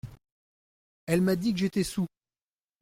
Elle m’a dit que j’étais saoul.